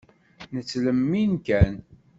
Nettlemmim kan.